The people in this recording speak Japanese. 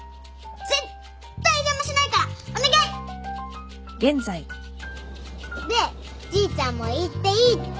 絶対邪魔しないからお願い！でじいちゃんも行っていいって言ってくれたんだ。